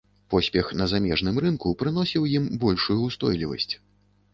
Поспех на замежным рынку прыносіў ім большую ўстойлівасць.